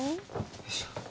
よいしょ。